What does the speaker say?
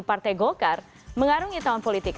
partai golkar mengarungi tahun politik